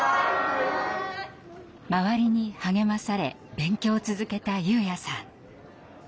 周りに励まされ勉強を続けたユウヤさん。